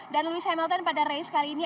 dan lewis hamilton pada race kali ini